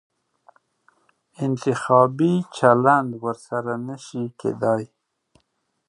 انتخابي چلند ورسره نه شي کېدای.